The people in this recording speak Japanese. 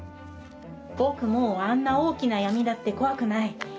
僕、もうあんな大きな闇だって怖くない。